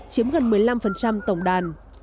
chiếm gần một mươi năm tổng đàn